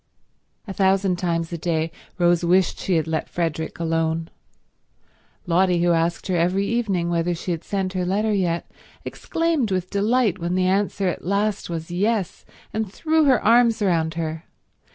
A thousand times a day Rose wished she had let Frederick alone. Lotty, who asked her every evening whether she had sent her letter yet, exclaimed with delight when the answer at last was yes, and threw her arms round her.